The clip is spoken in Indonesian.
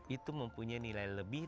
itu mempunyai nilai lebih